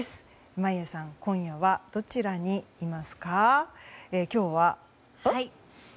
眞家さん今夜はどちらにいますか？